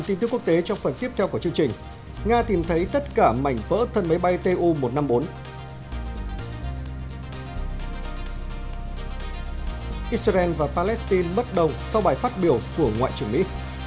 israel và palestine bất đồng sau bài phát biểu của ngoại trưởng mỹ